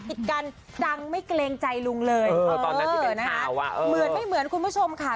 เหมือนไหมเหมือนคุณผู้ชมคะ